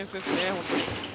本当に。